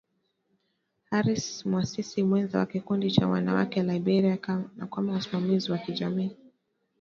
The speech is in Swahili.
Harris muasisi mwenza wa Kikundi cha Wanawake Liberia na kama msimamizi wa kijamii